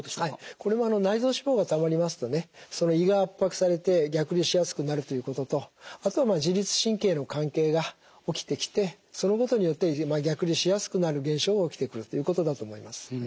これは内臓脂肪がたまりますとね胃が圧迫されて逆流しやすくなるということとあとは自律神経の関係が起きてきてそのことによって逆流しやすくなる現象が起きてくるということだと思います。